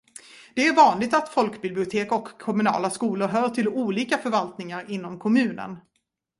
Det är vanligt att folkbibliotek och kommunala skolor hör till olika förvaltningar inom kommunen.